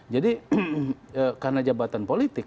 jadi karena jabatan politik